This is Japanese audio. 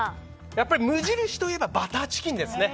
やっぱり無印といえばバターチキンですね。